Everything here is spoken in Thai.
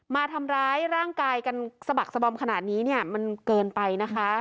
มาทำร้ายร่างกายกันสะบักสบอมขนาดนี้เนี่ยมันเกินไปนะคะ